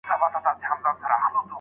څېړونکي تېر کال خپله مقاله بشپړه کړه.